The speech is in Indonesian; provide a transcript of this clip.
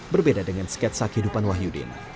berbeda dengan sketsa kehidupan wahyudin